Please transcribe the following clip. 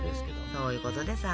そういうことでさ。